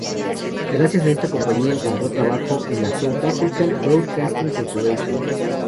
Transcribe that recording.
Gracias a esta compañía, encontró trabajo en la South African Broadcasting Corporation.